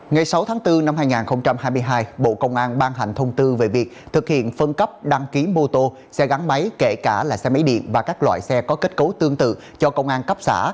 ngày sáu tháng bốn năm hai nghìn hai mươi hai bộ công an ban hành thông tư về việc thực hiện phân cấp đăng ký mô tô xe gắn máy kể cả là xe máy điện và các loại xe có kết cấu tương tự cho công an cấp xã